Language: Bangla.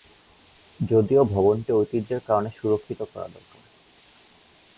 যদিও ভবনটি ঐতিহ্যের কারণে সুরক্ষিত করা দরকার।